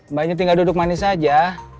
mbaknya tinggal duduk manis aja